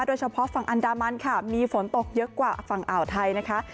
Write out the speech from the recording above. โดยเฉพาะฝั่งอันดามันค่ะมีฝนตกเยอะกว่าฝั่งอ่าวไทยนะคะ